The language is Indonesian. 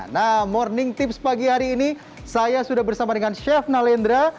nah morning tips pagi hari ini saya sudah bersama dengan chef nalendra